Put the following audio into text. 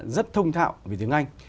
rất thông thạo về tiếng anh